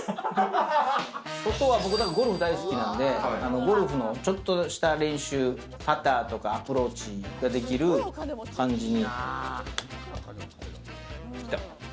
僕、ゴルフ大好きなんで、ゴルフのちょっとした練習、パターとかアプローチができる感じに。